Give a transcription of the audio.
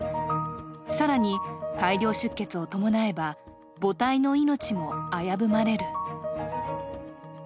更に大量出血を伴えば、母体の命も危ぶまれる。